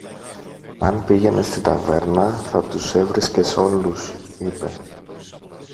Αν πήγαινες στην ταβέρνα, θα τους έβρισκες όλους, είπε.